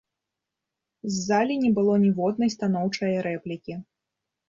З залі не было ніводнай станоўчае рэплікі.